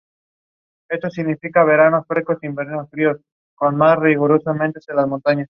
Son especialmente fiables en condiciones de terreno mojado y de lluvia.